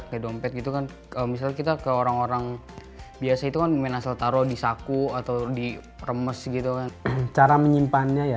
sampai jumpa di video selanjutnya